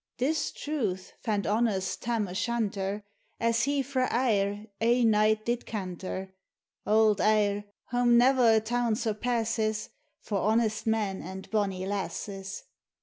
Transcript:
71 This truth fand honest Tarn O' Shanter, As he frae Ayr ae night did canter (Auld Ayr, wham ne'er a town surpasses, For honest men and bonnie lasses).